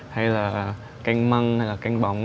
hay là canh măng hay là canh bóng